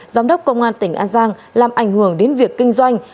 giám đốc công an tỉnh an giang làm ảnh hưởng đến việc kinh doanh